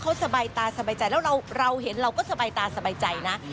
เขาสบายตาสบายใจแล้วเราเห็นเราก็สบายตาสบายใจนะ